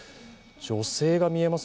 女性が見えます。